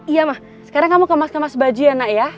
iya mah sekarang kamu kemas kemas baju ya nak ya